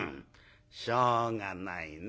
しょうがないね